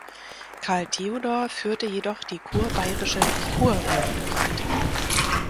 Karl Theodor führte jedoch die kurbayerische Kurwürde weiter.